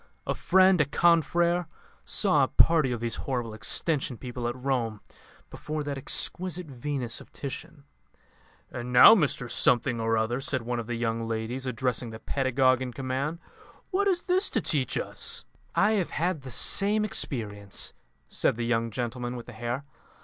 A friend, a confrère, saw a party of these horrible Extension people at Rome before that exquisite Venus of Titian. 'And now, Mr Something or other,' said one of the young ladies, addressing the pedagogue in command, 'what is this to teach us?'" "I have had the same experience," said the young gentleman with the hair.